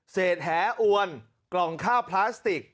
เศษแหอวนกล่องข้าวพลาสติก